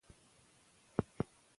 ولې ځینې ټکي ناسم ځای نیسي؟